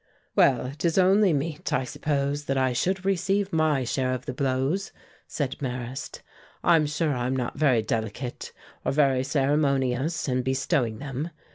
"Well, it is only meet, I suppose, that I should receive my share of the blows," said Marrast. "I'm sure I'm not very delicate or very ceremonious in bestowing them.